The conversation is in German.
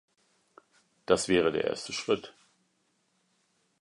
Das wäre der erste Schritt.